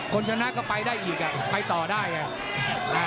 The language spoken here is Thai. คนชนะก็ไปได้อีกอ่ะไปต่อได้อ่ะ